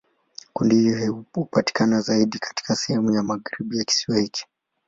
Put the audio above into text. Kundi hili hupatikana zaidi katika sehemu ya magharibi ya kisiwa hiki.